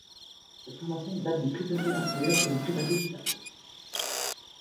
Cette formation date du Crétacé inférieur et du Crétacé supérieur.